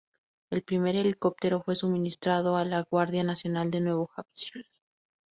El primer helicóptero fue suministrado a la Guardia Nacional de Nuevo Hampshire.